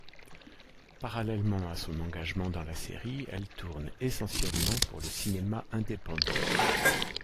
Parallèlement à son engagement dans la série, elle tourne essentiellement pour le cinéma indépendant.